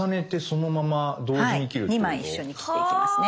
２枚一緒に切っていきますね。